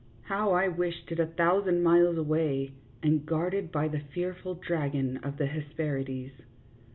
How I wished it a thousand miles away, and guarded by the fearful dragon of the Hesperides